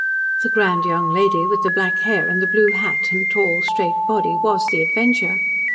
The grand young lady with the black hair and the blue hat and tall, straight body was the adventure.